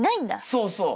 そうそう。